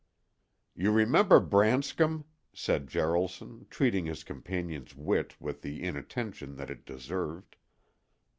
"You remember Branscom?" said Jaralson, treating his companion's wit with the inattention that it deserved.